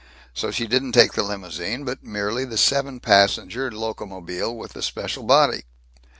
So she didn't take the limousine, but merely the seven passenger Locomobile with the special body.